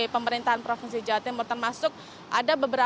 pemprof jawa timur